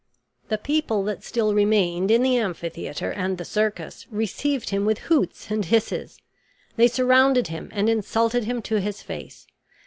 The people that still remained in the amphitheater and the circus received him with hoots and hisses. They surrounded him and insulted him to his face.